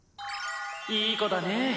いい子だね！